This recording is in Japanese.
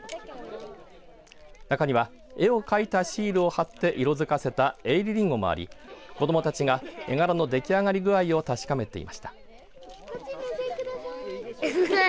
中には絵を描いたシールを貼って色づかせた絵入りりんごもあり子どもたちが絵柄の出来上がり具合を確かめていました。